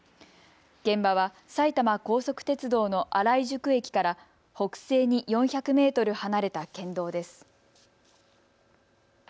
現場は埼玉高速鉄道の新井宿駅から北西に４００メートル離れた県道です。